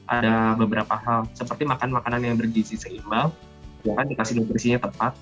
ada beberapa hal seperti makan makanan yang bergizi seimbang yang dikasih nutrisinya tepat